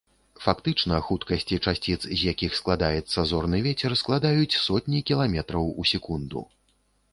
Фактычна, хуткасці часціц, з якіх складаецца зорны вецер, складаюць сотні кіламетраў у секунду.